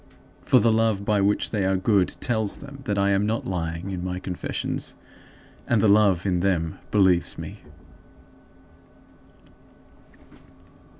For the love by which they are good tells them that I am not lying in my confessions, and the love in them believes me.